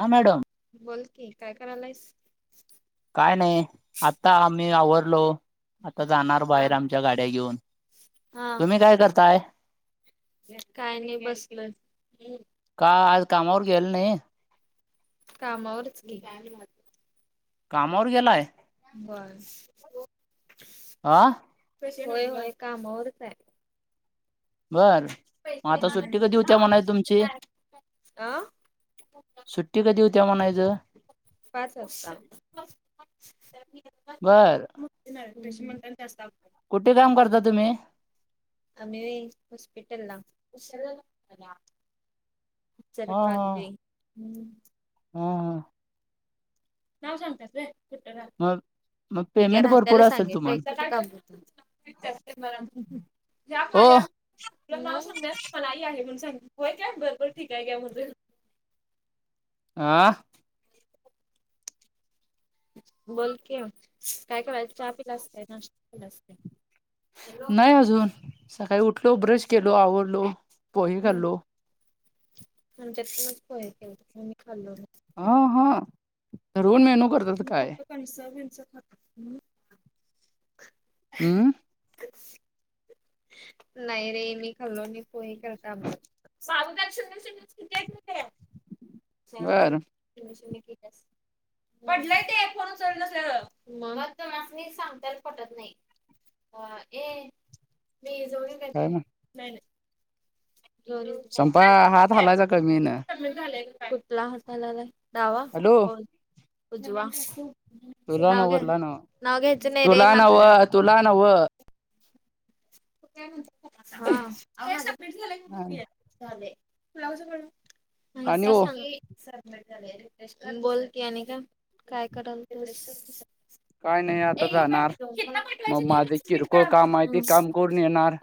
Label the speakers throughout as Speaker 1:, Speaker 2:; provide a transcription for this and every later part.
Speaker 1: हा मॅडम
Speaker 2: बोल की काय करायलायस,
Speaker 1: काय नाही आता आम्ही आवरलो, आता जाणार
Speaker 2: हा
Speaker 1: बाहेर आमच्या गाड्या घेऊन
Speaker 2: हा
Speaker 1: तुम्ही काय करताय?
Speaker 2: काय नाही बसलोय.
Speaker 1: का आज कामावर गेलं नाही.
Speaker 2: कामावरच की,
Speaker 1: कामावर गेलाय.
Speaker 2: व्हय.
Speaker 1: आ
Speaker 2: होय होय कामावरच हाय
Speaker 1: बर मग
Speaker 2: पैसे
Speaker 1: आता सुट्टी कधी होत्या म्हणायचं तुमची सुट्टी
Speaker 2: अ
Speaker 1: सुट्टी कधी होत्या म्हणायचं.
Speaker 2: पाच वाजता
Speaker 1: बर
Speaker 2: नाही म्हणात जास्तत
Speaker 1: कुठे काम करता तुम्ही?
Speaker 2: आम्ही हॉस्पिटल ला. सर
Speaker 1: हा हा
Speaker 2: कांजी हम्
Speaker 1: हा हा
Speaker 2: नाव सांगता कुठ राहते
Speaker 1: मग मग
Speaker 2: मी का
Speaker 1: पेमेंट भरपूर
Speaker 2: राहताला
Speaker 1: असेल
Speaker 2: सांगे ते
Speaker 1: तुम्हाला
Speaker 2: म
Speaker 1: ओ
Speaker 2: खज [unintelligible] ना सांगण्यास मणई आहे म्हणून सांग होय का ब भरपूर ठीक आहे काय म्हणे.
Speaker 1: आ
Speaker 2: बोल की, काय करायच, चहा पिलासं काय हॅलो
Speaker 1: नाही अजून सकाळी उठलो ब्रश केलो आवरलो पोहे खालो.
Speaker 2: आणि त्याय मी खाल्लो.
Speaker 1: हा हा रवण मेहनू करतो.
Speaker 2: मी फक्त कणस बिनस
Speaker 1: हम्म
Speaker 2: नाही रे मी खाल्लो नाही पो करता अदल साद [inaudible] स
Speaker 1: बर
Speaker 2: श ठी बडलाय तेण चलं मग म सांगता पटत नाही. अ ए मी झो क.
Speaker 1: काय
Speaker 2: ग
Speaker 1: संपा हात हालायचा कमी ना
Speaker 2: झाय कुठला हासालालाय दावा
Speaker 1: हॅलो
Speaker 2: होन उजवा
Speaker 1: तुला
Speaker 2: नव
Speaker 1: नव्ह तुला नव्ह
Speaker 2: नव गज नाही रे
Speaker 1: तुला
Speaker 2: मा काड [inaudible]
Speaker 1: नव्ह तुला न्हव
Speaker 2: ण झा [unintelligible] ब्ला म्हण मांग
Speaker 1: आणि हो
Speaker 2: [inaudible] स बोलकी आणि का काय कराल. ए
Speaker 1: काय नाही आता
Speaker 2: येऊ का त
Speaker 1: जाणार
Speaker 2: कि
Speaker 1: मग माझे
Speaker 2: मिटवायचे बिट
Speaker 1: किरकोळ
Speaker 2: करा.
Speaker 1: काम आहे ते काम करून येणार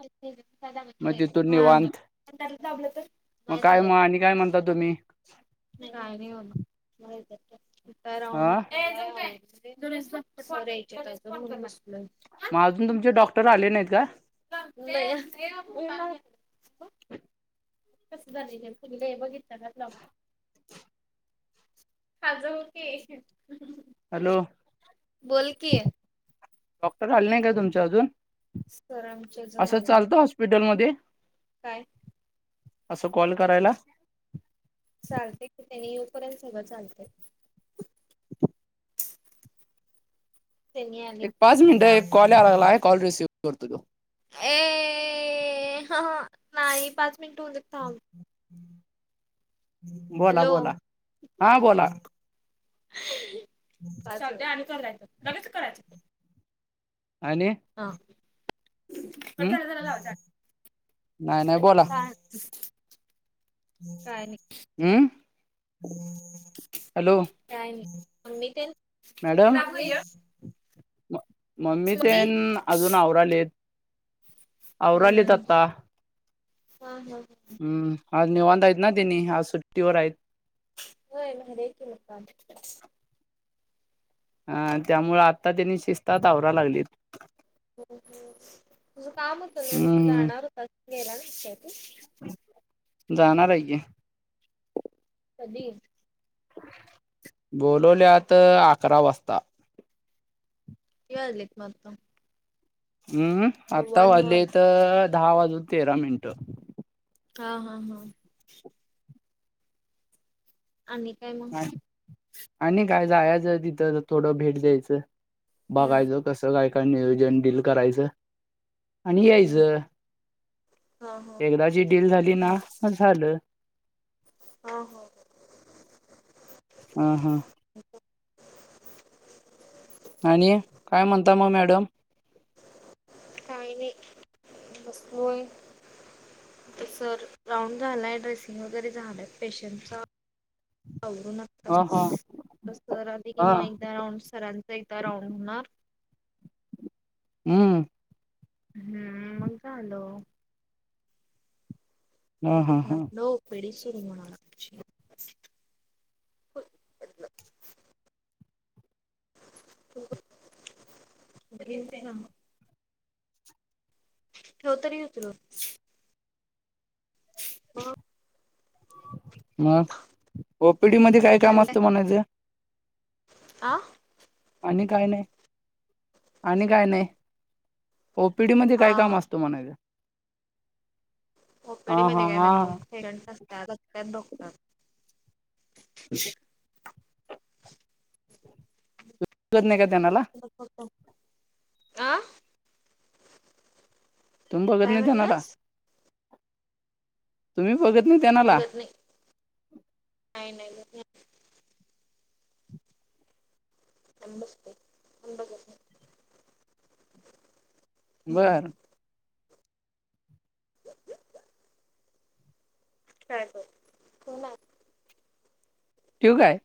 Speaker 1: मग तिथून निवांत
Speaker 2: बलं तर.
Speaker 1: मग
Speaker 2: नाही
Speaker 1: काय
Speaker 2: दाबायचं.
Speaker 1: आणि काय म्हणतात तुम्ही.
Speaker 2: काय नाही होणारऊं
Speaker 1: हा
Speaker 2: द्याय
Speaker 1: मग अजून तुमचे डॉक्टर आले नाहीत का
Speaker 2: [inaudible] कसं झाले फुले बघितलं का लॉ खजं होते
Speaker 1: हॅलो डॉक्टर आले नाही काय तुमच्या अजून
Speaker 2: सर आमचे अजून
Speaker 1: असं
Speaker 2: आले नाहीत.
Speaker 1: चालतं हॉस्पिटलमध्ये
Speaker 2: काय
Speaker 1: असं कॉल करायला
Speaker 2: चालते की त्यांनी येऊपर्यंत सगळं चालते [inaudible] त्यांनी आले
Speaker 1: एक पाच मिनिटं
Speaker 2: थांब
Speaker 1: एक कॉल या लागला आहे कॉल रिसीव्ह करतो तो
Speaker 2: ए ह नाही पाच मिनिट होऊन थांब
Speaker 1: बोला
Speaker 2: हॅलो
Speaker 1: बोला हा बोला
Speaker 2: चालते आणि करायचं लगेच करायचं
Speaker 1: आणि
Speaker 2: हा अच
Speaker 1: हम्
Speaker 2: चला लाव
Speaker 1: नाही नाही बोला
Speaker 2: का ह
Speaker 1: अमम हॅलो
Speaker 2: काय मम्मी तेन
Speaker 1: मॅडम
Speaker 2: मम्मी
Speaker 1: मम्मी ते अजून आवरालेत
Speaker 2: हम्म
Speaker 1: आवरालेत
Speaker 2: हम्म
Speaker 1: आता
Speaker 2: हा हा
Speaker 1: हम्म अव अंद यत ना देीन आज सुट्टवररयत
Speaker 2: होय मर क लकाम
Speaker 1: हा त्यामुळे आता त्यांनी शिस्तात आवरा लागलीत
Speaker 2: हो हो तुझं काम होतं त कुठ
Speaker 1: हम्म
Speaker 2: जाणार होता गेला ना तू
Speaker 1: जाणार आहे के
Speaker 2: कध
Speaker 1: बोलवल्यात अकरा वाजता
Speaker 2: येलीत मगत
Speaker 1: हम्म आत्ता
Speaker 2: दहा
Speaker 1: वाले
Speaker 2: वाजले
Speaker 1: तर दहा वाजून तेरा मिनटं
Speaker 2: हा हा हा आणि काय मग
Speaker 1: आणि काय जायाचं तिथं थोडं भेट द्यायचं
Speaker 2: हम्म
Speaker 1: बघायचं कसं काय काय नियोजन डील करायचं आणि यायच
Speaker 2: हा हा
Speaker 1: एकदा ी डील झाली ना झालं
Speaker 2: हो हो
Speaker 1: ह, ह. आणि, काय म्हणता म मॅडम.
Speaker 2: काही नाही, बसलोय. सर राऊंड झालाय ड्रेसिंग वगैरे झालाय पेशंटचा डू न
Speaker 1: ह ह
Speaker 2: सर आध
Speaker 1: हा
Speaker 2: मा राऊंड सरांचा एकदा राऊंड होणार
Speaker 1: हम्म.
Speaker 2: हम्म, मग का झाल?
Speaker 1: हा
Speaker 2: म
Speaker 1: हा हा
Speaker 2: नव [unintelligible] वेडसर म्हणा [inaudible] ते ह [inaudible] ठेवतरी होतल. ह.
Speaker 1: म, ओपीडी मध्ये काय काम असतं, म्हणायचं.
Speaker 2: आ.
Speaker 1: आणि काय नाय, आणि काय नाय, ओपीडी मध्ये
Speaker 2: हा
Speaker 1: काय काम
Speaker 2: हा
Speaker 1: असतं. त म्हणायच.
Speaker 2: ओपीडी
Speaker 1: हा हा
Speaker 2: मध्ये काय म्हणजे.
Speaker 1: हा
Speaker 2: तत डॉक्टर [inaudible] हम् [unintelligible]
Speaker 1: [unintelligible] त्यानला
Speaker 2: आं.
Speaker 1: टीम बघत नाही त्यांना ला. तुम्ही बघत नाही त्यांनाला.
Speaker 2: आम्ही जात नाही नाही नाही [unintelligible] आम्ही बसतोय, आम्ही बघत नाही.
Speaker 1: बरं.
Speaker 2: या यास या [unintelligible] काय बर, हो ना.
Speaker 1: ठेऊ काय?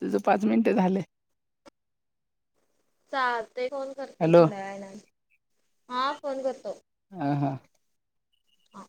Speaker 1: तुझं पाच मिनट झाले.
Speaker 2: चालते, फोन करते
Speaker 1: हॅलो
Speaker 2: थोड्या वेळन, हा फोन करतो.
Speaker 1: ह हा.
Speaker 2: हा.